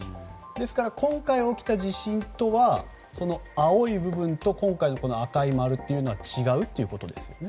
ですから今回起きた地震とは、青い部分と今回の赤い丸というのは違うということですよね。